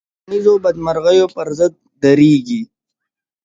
فلم د ټولنیزو بدمرغیو پر ضد درېږي